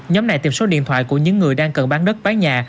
nhóm này tìm số điện thoại của những người đang cần bán đất bán nhà